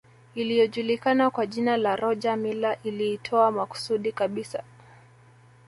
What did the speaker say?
Iliyojulikana kwa jina la Roger Milla iliitoa makusudi kabisa